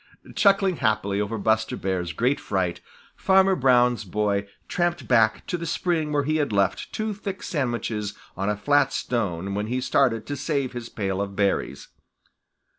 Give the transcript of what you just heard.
Chuckling happily over Buster Bear's great fright, Farmer Brown's boy tramped back to the spring where he had left two thick sandwiches on a flat stone when he started to save his pail of berries.